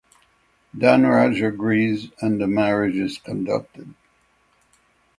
Dhanraj agrees and the marriage is conducted.